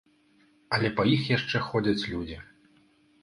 Але па іх яшчэ ходзяць людзі.